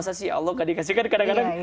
masa sih ya allah gak dikasihkan kadang kadang